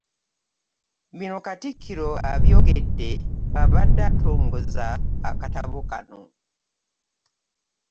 Bino Katikkiro abyogedde bw'abadde atongozza akatabo Kano.